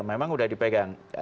memang sudah dipegang